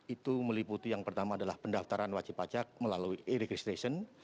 itu meliputi yang pertama adalah pendaftaran wajib pajak melalui e registration